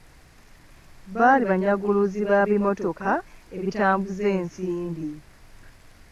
Baali banyaguluzi ba bimotoka ebitambuza ensimbi.